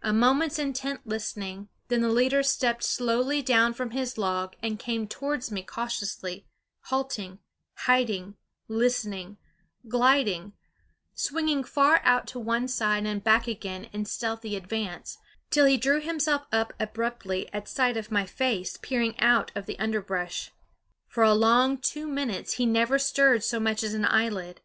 A moment's intent listening; then the leader stepped slowly down from his log and came towards me cautiously, halting, hiding, listening, gliding, swinging far out to one side and back again in stealthy advance, till he drew himself up abruptly at sight of my face peering out of the underbrush. For a long two minutes he never stirred so much as an eyelid.